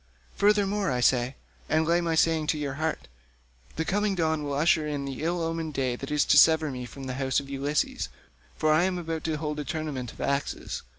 Furthermore I say—and lay my saying to your heart—the coming dawn will usher in the ill omened day that is to sever me from the house of Ulysses, for I am about to hold a tournament of axes.